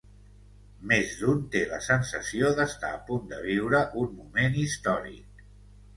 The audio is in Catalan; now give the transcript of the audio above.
Més d'un té la sensació d'estar a punt de viure un moment històric.